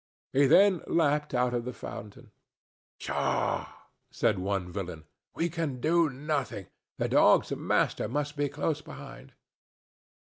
He then lapped out of the fountain. "Pshaw!" said one villain. "We can do nothing now. The dog's master must be close behind."